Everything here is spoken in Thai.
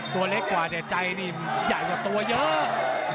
ตัวเล็กกว่าแต่ใจนี่ใหญ่กว่าตัวเยอะ